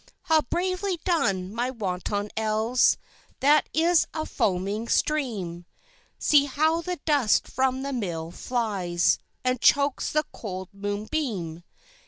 Ha! bravely done, my wanton Elves, That is a foaming stream: See how the dust from the mill flies, And chokes the cold moon beam.